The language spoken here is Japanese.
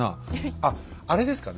あっあれですかね